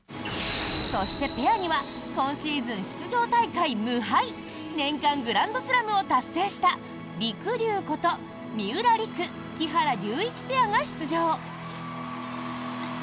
そして、ペアには今シーズン出場大会無敗！年間グランドスラムを達成したりくりゅうこと三浦璃来・木原龍一ペアが出場。